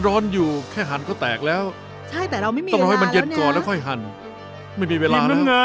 ดูดีใช่ได้